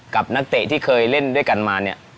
นักเตะที่เคยเล่นด้วยกันมาเนี่ย